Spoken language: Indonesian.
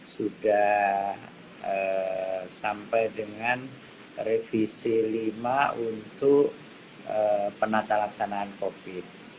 sudah sampai dengan revisi lima untuk penata laksanaan covid